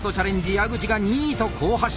矢口が２位と好発進。